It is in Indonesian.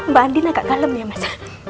mbak andina gak kalem ya mas